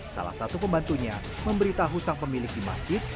salah satu pembantunya memberitahu sang pemilik di masjid